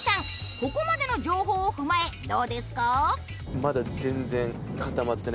ここまでの情報を踏まえどうですか？